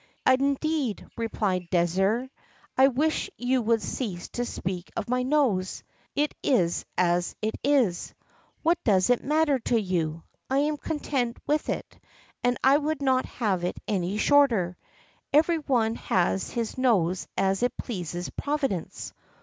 "Indeed," replied Désir, "I wish you would cease to speak of my nose it is as it is what does it matter to you? I am content with it, and I would not have it any shorter; every one has his nose as it pleases Providence."